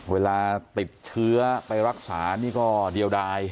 เวลาติดเชื้อไปรักษานี่ก็เดียวดาย